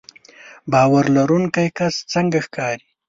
باور لرونکی کس څنګه ښکاري